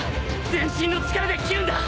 全身の力で斬るんだ！